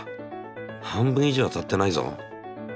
半分以上当たってないぞ。